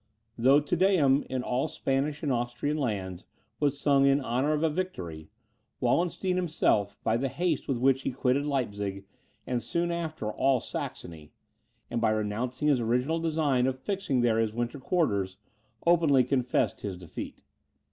Though Te Deum, in all Spanish and Austrian lands, was sung in honour of a victory, Wallenstein himself, by the haste with which he quitted Leipzig, and soon after all Saxony, and by renouncing his original design of fixing there his winter quarters, openly confessed his defeat.